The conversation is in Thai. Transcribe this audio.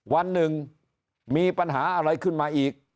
วันหนึ่งมีปัญหาอะไรขึ้นมาอีก